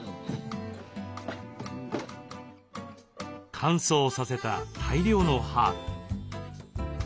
乾燥させた大量のハーブ。